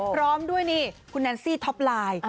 พร้อมด้วยนี่คุณแนนซี่ท็อปไลน์